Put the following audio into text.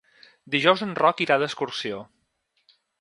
Dijous en Roc irà d'excursió.